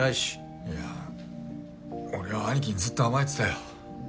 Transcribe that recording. いや俺は兄貴にずっと甘えてたよ。